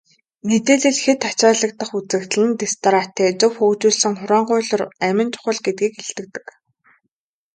Мэдээлэл хэт ачаалагдах үзэгдэл нь дэс дараатай, зөв хөгжүүлсэн хураангуйлуур амин чухал гэдгийг илтгэдэг.